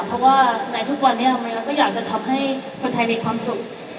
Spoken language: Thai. เพราะว่าในทุกวันนี้ทำไมเราก็อยากจะทำให้คนไทยมีความสุข